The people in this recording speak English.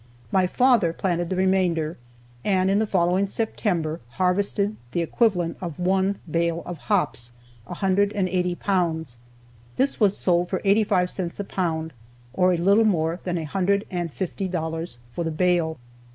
My father planted the remainder, and in the following September harvested the equivalent of one bale of hops, 180 pounds. This was sold for eighty five cents a pound, or a little more than a hundred and fifty dollars for the bale.